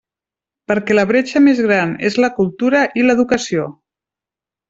Perquè la bretxa més gran és la cultura i l'educació.